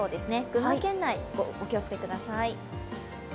群馬県内、お気をつけください。